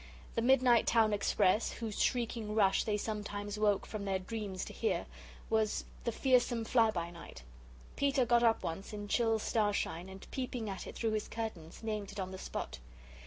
The midnight town express, whose shrieking rush they sometimes woke from their dreams to hear, was the Fearsome Fly by night. Peter got up once, in chill starshine, and, peeping at it through his curtains, named it on the spot.